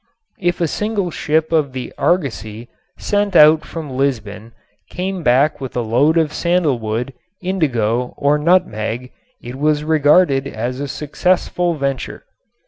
If a single ship of the argosy sent out from Lisbon came back with a load of sandalwood, indigo or nutmeg it was regarded as a successful venture.